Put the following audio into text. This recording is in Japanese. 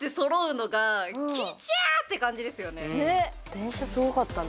電車すごかったな。